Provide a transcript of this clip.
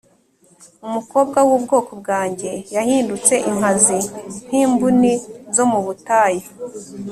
Umukobwa w’ubwoko bwanjye yahindutse inkazi, Nk’imbuni zo mu butayu.